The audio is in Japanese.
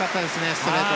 ストレート。